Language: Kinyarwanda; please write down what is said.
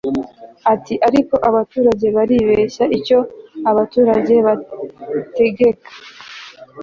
ati ariko abaturage baribeshya. icyo abaturage bategeka